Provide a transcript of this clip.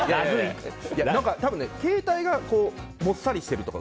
多分ね、携帯がもっさりしてるとか。